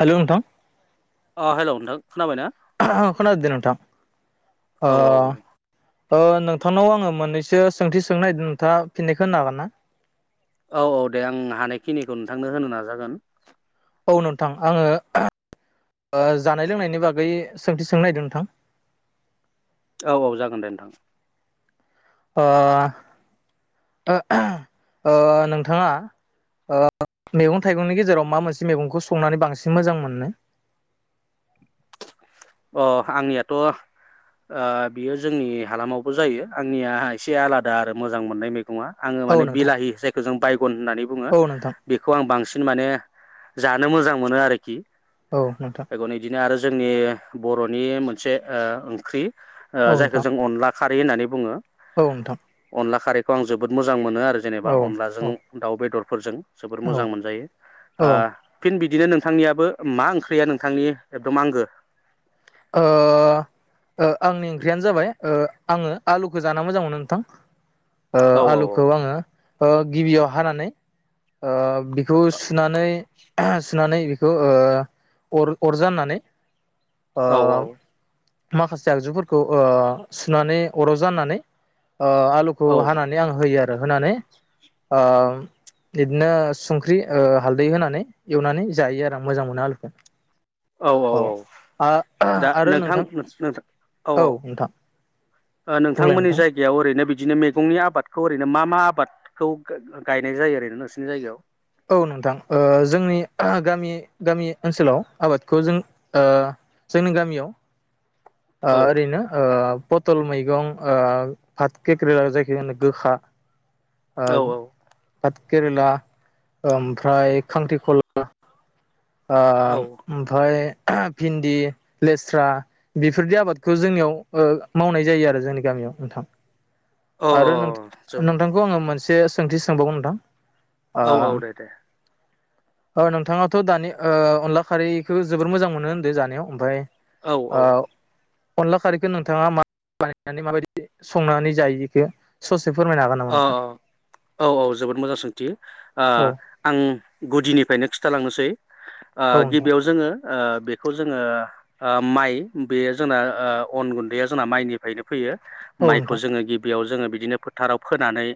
हेल' नोंथां। अ' हेल नोंथ खोनाबाय ना। अह खोना दोंदे नोंथां। ओ औ औ औ। ओ नोंथांनाव आङो मोननैसो सोंथि सोंनो नागिरदों नोंथा फिननायखौ होनो हागोन ना। औ औ दे आं हानायखिनिखौ नोंथांनो होनो नाजागोन। औ नोंथां आङोओ जानाय लोंनायनि बागै सोंथि सोंनो नागदों नोंथां। औ औ जागोन दे नोंथां। ओ अ ओ नोंथाङा मैगं थाइगंनि गेजेराव मा मोनसे मैगंखौ संनानै बांसिन मोजां मोनो। अ आंनियाथ' ओ बियो जोंनि हालामावबो जायो आंनिया एसे आलादा आरो मोजां मोननाय मैगं। नङा आङो औ मान नोंथां बिलाहि जायखौ जों बायक गुन होननानै बुङो औ नोंथां बेखौ आं बांसिन। माने जानो मोजां मोनो आरोखि। औ नोंथां बेगन इदिनो आरो नि बर'नि मोनसे ओ ओंख्रि औ ओ नोंथां जायखौ जों अनला खारै होननानै बुङो औ नोंथां [unintelligible] खारैखौ आं जोबोद मोजां मोनो। नोआरो औ जेनेबा औ अनलाजों दाउ बेदर फोरजों जोबोर औ मोजां मोनजायो ओ आ फिन बिदि बिदिनो नोंथांनियाबो मा ओंख्रिया नोंथांनि एकदोम आंगो? ओ ओआंनि ओंख्रियानो जाबाय ओ आङो आलुखौ जाना मोजां मोनो नोंथां ओ औ आलुखौ आङो ओ गिबियाव हानानै ओ बिखौ सुनानै आ सुनानै ओ ओ अर अरजाननानै ओ औ माखासे आगजुफोरखौ ओ सुनानै अराव जानानै अ आलुखौ औ हानानै आं होयो आरो दा होनानै ओ बिदिनो संख्रि ओ हालदै होनानै एवनानै जायो आरो आं मोजां मोनो आलुखौ औ औ औ दा नोंथां औ औ बुंलाय नोंथांमोननि नोंथां जायगायाव ओरैनो बिदिनो मैगंनि आबादखौ ओरैनो मा मा आबादखौ गायनाय जायो ओरैनो नोंसिनि जायगायाव औ नोंथां ओ जोंनि गामि गामि ओनसोलाव आबादखौ जों जोंनि गामियाव आ औ ओरैनो ओ पटल मैगं ओ फाथ [unintelligible] जायखो होनो गोखा ओ औ [unintelligible] केरेला ओमफ्राय खांख्रिखला ओ औ ओमफ्राय भिन्दि लेस्रा बेफोरदि आबादखौ जोंनियाव ओ मावनाय जायो आरो जोंनि गामियाव नोंथां औ आरो नोंथांखौ आङो मोनसे एसे सोंथि सोंबावगोन नोंथां औ औ दे दे ओ नोंथाङाथ' दानि ओ अनला खारैखौ जोबोर मोजां मोनो होनदों जानायाव ओमफ्राय औ ओ औ अनला खारैखौ नोंथाङा मा बानायनानै माबायदि संनानै जायो [unintelligible] नामा अ नोंथां औ औ जोबोद मोजां सोंथि औ आं गुदिनिफ्रायनो खिन्थालांनोसै ओ औ नोंथां गिबियाव जोङो ओ बेखौ जोङो ओ माइ बेयो जोंना ओ अन गुन्दैया जोंना माइनिफ्रायनो फैयो औ माइखौ नोंथां जोङो गिबियाव जोङो बिदिनो फोथाराव फोनानै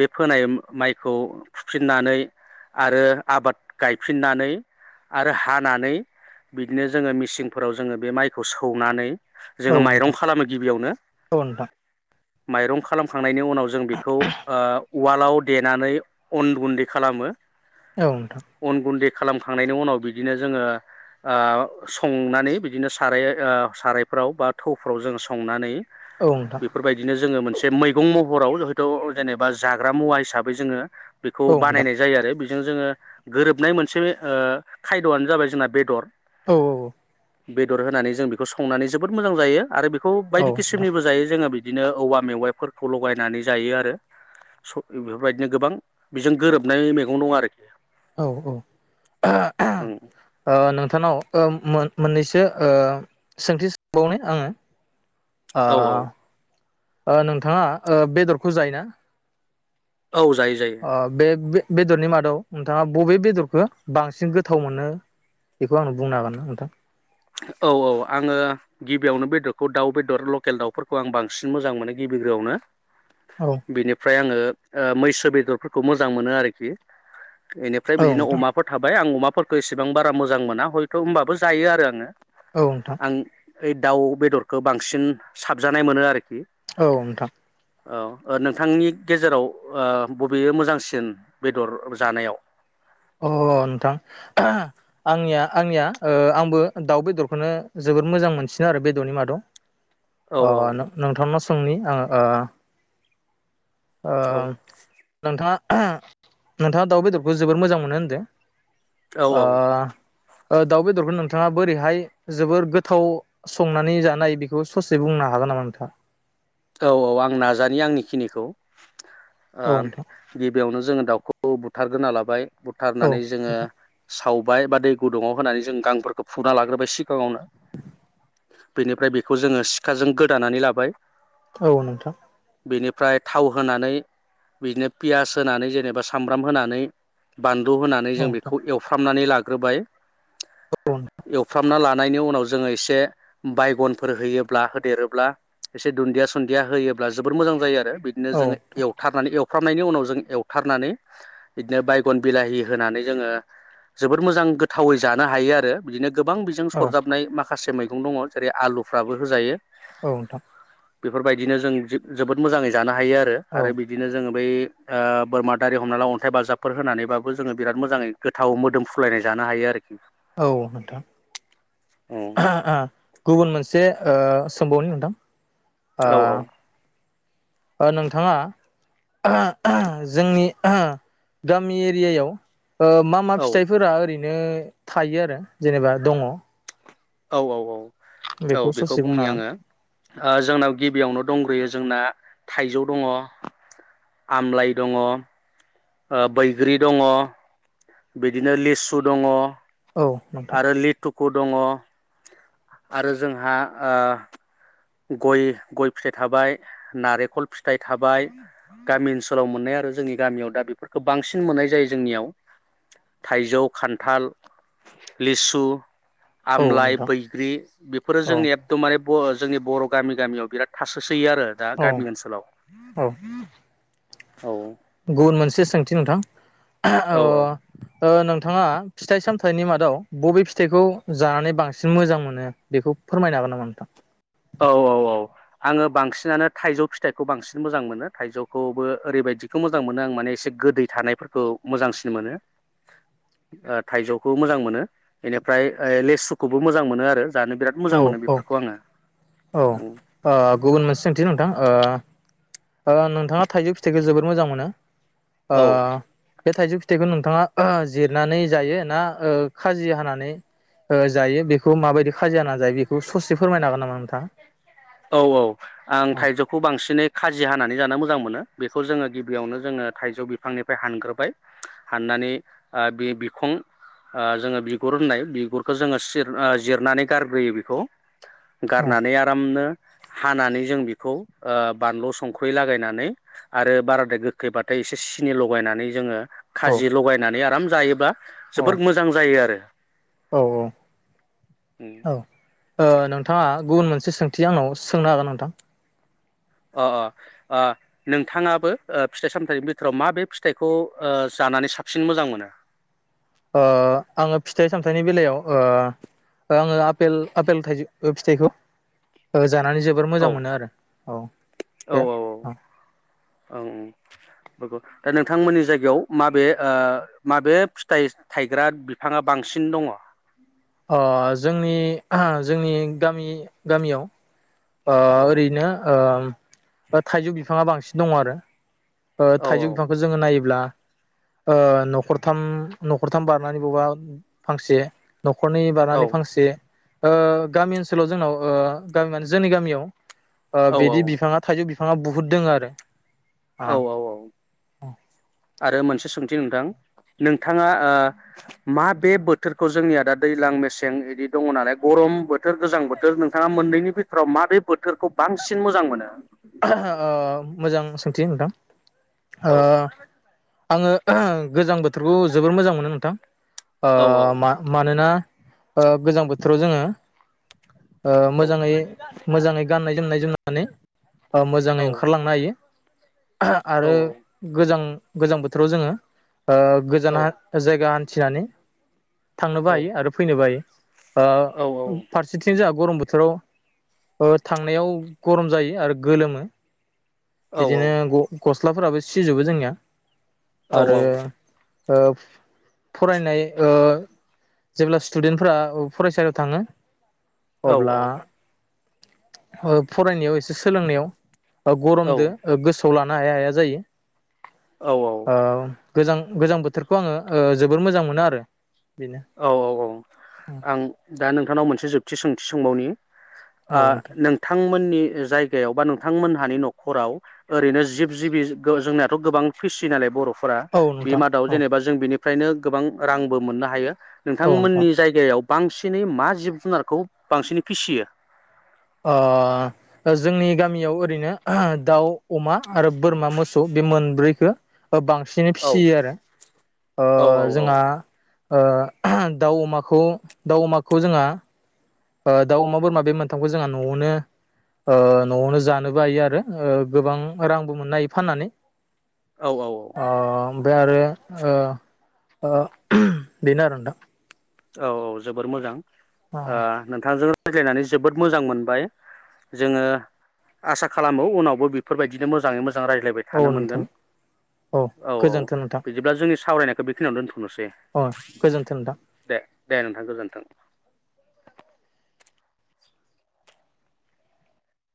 बे फोनाय माइखौ फुफिननानै आरो आबाद गायफिननानै आरो हानानै बिदिनो जोङो मेसिनफोराव जोङो बे माइखौ सौनानै औ जोङो माइरं नोंथां खालामो गिबियावनो औ नोंथां माइरं खालामखांना नायनि उनाव जों बेखौ उवालाव देनानै अन गुन्दै खालामो औ नोंथां अन गुन्दै खालामखांनायनि उनाव बिदिनो जोङो ओ संनानै बिदिनो साराय ओ सारायफ्राव बा थौफ्राव जोङो संनानै औ नोंथां बेफोरबायदिनो जोङो मोनसे मै महराव जेनेबा जाग्रा मुवा हिसाबै जोङो बेखौ औ नोंथां बानायनाय जायो आरो जों जोङो गोरोबनाय मोनसे ओ खायद'आनो जाबाय जोंना बेदर औ औ बेदर होनानै जों बेखौ संनानै जोबोद मोजां जायो आरो बे बे खौ औ बायदि नोंथां किसमनिबो जायो जोङो बिदि बिदिनो औवा मेवाइफोर खौ लगायनानै जायो आरो बेफोरबायदिनो गोबां बेजों गोरोबनाय मैगं दं आरोखि औ औ ओ ओं नोंथां सानाव मोननैसो सोंथि सोबावनि आङो ओ औ ओ नोंथाङा ओ बेदरखौ जायो ना? औ जायो जायो अ बे-बे बेदरनि मादाव नोंथाङा बबे बेदरखौ बांसिन गोथाव मोनो बेखौ आं बुंनो हागोन ना नोंथां औ औ आङो गिबियावनो बेदरखौ दाउ बेदर लकेल दाउफोरखौ आं बांसिन मोजां मोनो गिबिग्रोआवनो औ बेनिफ्राय आं आङो मैसो बेदरफोरखौ मोजां मोनो आरोखि बेनिफ्राय औ बिदिनो नोंथां अमाफोर थाबाय आं अमा फोरफोरखौ इसेबां बारा मोजां मोना हयथ' होमबाबो जायो आरो आङो औ नोंथां आं ओइ दाउ बेदरखौ बांसिन साबजानाय मोनो आरोखि। औ नोंथां। औ नोंथांनि गेजेराव बबे मोजांसिन बेदर जानायाव अ नोंथां आंनिया आंनिया आंबो दाउ बेदरखौनो जोबोद मोजां मोनसिनो आरो बेदरनि मादाव औ औ अ नोंथांनाव सोंनि आङो ओ औ नोंथाङा। नोंथाङा दाउ बेदरखौ जोबोर मोजां मोनो होनदों औ औ ओ दाउ बेदरखौ नों नोंथाङा बोरैहाय जोबोर गोथाव संनानै जानाय बेखौ ससे बुंनो हागोन नामा नोंथाङा? औ औ आं नाजानि आंनिखिनिखौ औ नोंथां गिबियावनो जोङो दाउखौ बुथारग्रोना लाबाय। बुथारनानै जोङो साव फुबाय बा दै गुदुंआव होनानै जों गांफोरखौ फुना लाग्रोबाय सिगाङावनो बेनिफ्राय बेखौ जोङो सिखाजों गोदानानै लाबाय औ नोंथां। बिनिफ्राय थाव होनानै बिदिनो पियास होनानै जेनेबा सामब्राम होनानै बान होनानै औ जों नोंथां बेखौ एवफ्रामनानै लागोन ग्रोबाय। एवफ्रामना लान नायनि उनाव जोङो एसे बायगनफोर होयोब्ला होदेरोब्ला एसे दुनदियास दुनदिया होयोब्ला जोबोर मोजां जायो आरो। बिदिनो औ जोङो नोंथां औ नोंथां एवथारनानै एव फ्रामनायनि उनाव जों एवथारनानै बिदिनो बायगन बिलाहि होनानै जोङो जोबोद मोजां गोथावै जानो हायो आरो बिदिनो। गोबां बिजों औ सरजाबनाय माखासे मै दुं दङ जेरै आलुफ्राबो होजायो औ नोंथां बेफोरबायदिनो जों जो जोबोद मोजाङै जाना हायो आरो औ आरो बिदिनो जोङो बै ओ बोरमा दारि हमना ला अन्थाइ बाजाबफोर होनानैबाबो जोङो बिराद मोजाङै गोथाव मोदोम फ्रुलायनाय जानो हायो आरो। औ नोंथां औ गुबुन मोनसे से ओ सोंबावनि नोंथां। ओ औ ओ नोंथाङा जोंनि गामि एरियायाव ओ मा मा फिथाइफोरा ओरैनो बिनो थायो आरो जेनेबा दङ। औ औ औ। औ बेखौ ससे बुंनो बुंनि हागोन आङो ओ जोंनाव गिबियावनो दंग्रोयो जोंना थाइजौ दङ आमलाइ दङ। ओ बैग्रि दङ। बिदिनो लिसु दङ। औ नोंथां। खु दङ आरो जोंहा ओ गय गय फिथाइ थाबाय नारेखल फिथ फिथाइ थाबाय गामि ओनसोलाव मोननाया। ओ जोंनि गामियाव दा बेफोरखौ बांसिन मोननाय जायो जोंनियाव थाइजौ, खान्थाल, लिसु औ आमलाइ नोंथां बैग्रि बेफोरो औ जोंनि एकदम बारे बस जोंनि बर' गामि गामियाव बिराद थासोस थैयो आरो दा औ गामि ओनसोलाव औ औ गुबुन मोनसे सोंथि नोंथां? अ औ औ ओ नोंथाङा फिथाइ सामथाइनि मादाव बबे फिथाइखौ जानानै बांसिन मोजां मोनो? बेखौ फोरमायनो हागोन नामा नोंथां औ औ औ आङो बांसिनानो थाइजौ फिथाइखौ बांसिन मोजां मोनो थाइजौखौबो ओरैबायदिखौ मोजां मोनो आं माने एसे गोदै थानायफोरखौ मोजांसिन मोनो ओ थाइजौखौ मोजां मोनो बेनिफ्राय लेसुखौबो मोजां मोनो आरो जानो बिराद मोजां औ मोनो औ बेफोरखौ आंङो। औ ओ गुबुन मोनसे सोंथि नोंथां ओ ओ नोंथांङा थाइजौ फिथाइखौ जोबोर मोजां मोनो। ओ औ बे थाइजौ फिथाइखौ नोंथांङा जिरनानै जायो ना ओ खाजि हानानै जायो बे हागोन नामा नोंथाङा? [unintelligible] औ औ आं औ थाइजौखौ बांसिनै खाजि खाजि हानानै जानो मोजां मोनो बे जोङो गिबियावनो जोंङो थाइजौ बिफांनिफ्राय हानग्रोबाय हाननानै ओ बिखुं ओ जों बिगुर होननाय‌ बिगुरखो जोंङो सिर ओ जिरनानै गारग्रोयो बेखौ। औ गारनानै आरामनो हानानै जों बेखौ ओ बानलु संख्रै लागायनानै आरो बाराद्राय गोखैबाथाय एसे सिनि लगायनानै जोंङो औ खाजि लगायनानै आराम जायोबा जोबोर मोजां जायो आरो। औ-औ औ-ओ नोंथांङा गुबुन मोनसे सोंथि आंनाव सोंनो हागोन नोंथां अ-अ ओ नोंथांङाबो फिथाइ सामथाइनि बिथोराव मााबे फिथाइखौ जानानै साबसिन मोजां मोनो? ओ आंङो फिथाइ सामथाइनि बेलायाव ओ आंङो आपेल थाइजौ फिथाइखौ ओ जानानै जोबोर मोजां मोनो आरो। औ औ बे औ औ औ औ दा नोंथांमोननि जायगायाव माबे ओ माबे फिथाइ थायग्रा बिफांङा बांसिन दंङ अ जोंनि ओह जोंनि गामि गामियाव ओ औ ओरैनो ओ बा थाइजौ बि बिफांङा बांसिन दङ आरो ओ औ थाइजौ बिफांखौ जोंङो नायोब्ला ओ नखरथाम नखरथाम बारनानै बबा फांसे नखरनि औ बारानि फांसे ओ गामि ओनसोलाव जोंनाव ओ गामि माने जोंनि गामियाव ओ बिदि औ बिफांङा थाइजौ बि बिफांङा बुहुद दोंङो आरो औ औ औ आरो मोनसे सों नोंथां-नोंथाङा ओ मा बे बोथोरखौ जोंनिया दा दैज्लां मेसें बिदि दङ नालाय गरम बोथोर गोजां बोथोर नोंथाङा मोननैनि बिथोराव माबे बोथोरखौ बांसिन मोजां मोनो। ओ [unintelligible] नोंथां। ओ। औ आङो गोजां बोथोरखौ जोबोर मोजां मोनो नोंथां। ओ औ मानोना ओ गोजां बोथोराव जोङो ओ औ मोजाङै मोजाङै गाननाय-जोमनाय जोमनानै ओ मोजाङै औ ओंखारलांनो हायो। औ आरो गोजां गोजां बोथोराव जोङो ओ औ औ गोजान जायगा हान थिनानै थांनोबो हायो आरो फैनोबो हायो औ ओ फारसेथिं जाहा गरम बोथोराव ओ थांनायाव गरम जायो आरो गोलोमो। औ बिदिनो ग गस्लाफोराबो सिजोबो जोंनिया। आरो ओ फरायनाय ओ जेब्ला स्टुडेन्टफोरा फरायसालियाव थाङो अब्ला औ ओ फरायनायाव एसे सोलोंनायाव ओ गरमदों गोसो आव लानो हाया-हाया जायो। औ। गोजां-गोजां बोथोरखौ आङो ओ जोबोर मोजां मोनो आरो। बेनो औ-औ-औ आं दा नोंथांनाव मोनसे सों थि-सोंथि सोंबावनि। औ ओ नोंथां नोंथांमोननि जायगायाव बा नोंथांमोनहानि न'खराव ओरैनो जिब-जिबि गो-जोंनाथ' गोबां फिसियो नालाय बर' फोरा औ बि नोंथां मादाव औ जेनेबा जों बिनि फ्रायनो गोबां रांबो मोननो हायो। औ नोंथां नोंथांमोननि जायगायाव बांसिनै मा जिब जुनारखौ बांसिनै फिसियो अ जोंनि गामियाव ओरैनो दाउ अमा आरो बोरमा मोसौ बे मोनब्रै हो ओ बांसिनै औ औ फिसियो आरो। ओ औ औ जोंहा ओ दाउ अमाखौ दाउ अमाखौ जोंआ ओ दाउ अमा बोरमा बे मोनथामखौ जोंहा नआवनो ओ नआवनो जानोबो बायो आरो ओ गोबां रांबो मोननो हायो फाननानै औ औ औ ओ ओमफ्राय आरो ओ ओ बेनो आरो नोंथां औ औ जोबोर मोजां ओ नोंथांजों रायज्लायनानै जोबोद मोजां मोनबाय। जोङो आसा खालामो उनावबो बेफोरबायदिनो मोजाङै मोजां जों रायज्लायबाय औ थानो नोंथां मोनगोन औ औ गोजोन्थों नोंथां बिदिब्ला जों सावरायनायखौ बेखिनियावनो दोनथ अ गोजोन्थों नोंथां। दे नोंथां गोजोनथों